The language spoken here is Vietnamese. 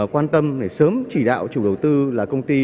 quan tâm để sớm chỉ đạo chủ đầu tư là công ty